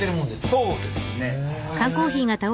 そうですね。